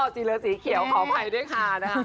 อ๋อจี๋เลอสีเขียวขอไหมด้วยค่ะ